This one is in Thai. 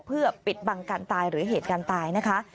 เพื่อปิดบังการตายหรือเหตุการณ์ตายนะคะ